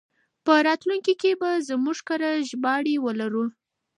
په راتلونکي کې به موږ کره ژباړې ولرو.